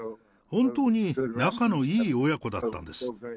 本当に仲のいい親子だったんです。